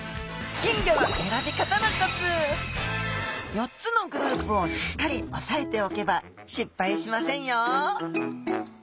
４つのグループをしっかり押さえておけば失敗しませんよ